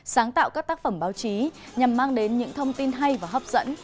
sáng tạo các tác phẩm báo chí nhằm mang đến những thông tin hay và hấp dẫn